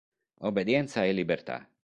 Obbedienza e libertà.